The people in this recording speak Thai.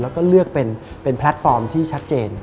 แล้วก็เลือกเป็นแพลตฟอร์มที่ชัดเจน